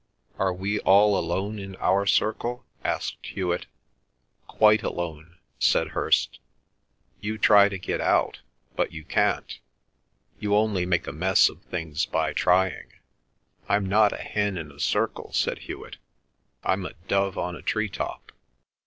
"Are we all alone in our circle?" asked Hewet. "Quite alone," said Hirst. "You try to get out, but you can't. You only make a mess of things by trying." "I'm not a hen in a circle," said Hewet. "I'm a dove on a tree top."